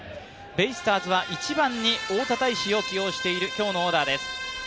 ベイスターズは１番に大田泰示を起用している今日のオーダーです。